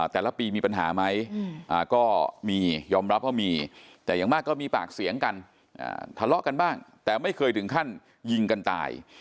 แต่ละปีมีปัญหาไหมก็มียอมรับว่ามีแต่อย่างมากก็มีปากเสียงกันทะเลาะกันบ้างแต่ไม่เคยถึงขั้นยิงกันตาย